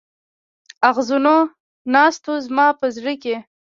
اغزنو ناستو زما په زړه کې.